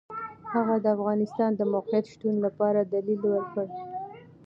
هغه د افغانستان د موقت شتون لپاره دلیل ورکړ.